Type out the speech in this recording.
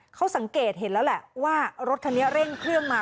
เขาสังเกตเห็นแล้วแหละว่ารถคันนี้เร่งเครื่องมา